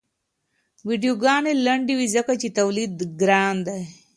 ویډیوګانې لنډې وي ځکه چې تولید ګران دی.